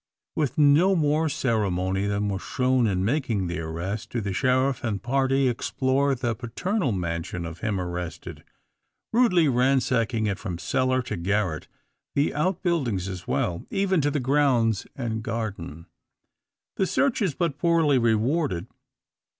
With no more ceremony than was shown in making the arrest, do the sheriff and party explore the paternal mansion of him arrested, rudely ransacking it from cellar to garret; the outbuildings as well, even to the grounds and garden. Their search is but poorly rewarded.